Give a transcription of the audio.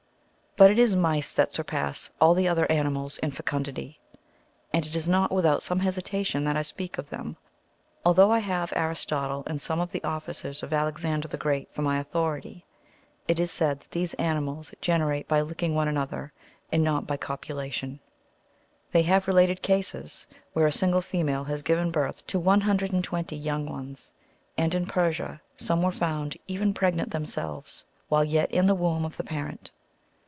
But it is mice that surpass all the other animals in fecundity ; *s B. vii. c. 13. Chap. 8G.] SALAMANDEIIS. 545 and it is not without some hesitation that I speak of them, al though I have Aristotle and some of the officers of Alexander the Great for my authority. It is said that these animals ge nerate by licking one another, and not by copulation. They have related cases where a single female has given birth to one hundred and tAventy young ones, and in Persia some were found, even pregnant themselves,^'' while yet in the womb of the parent.